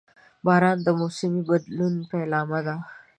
• باران د موسمي بدلون پیلامه ده.